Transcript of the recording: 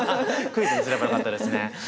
クイズにすればよかったですね。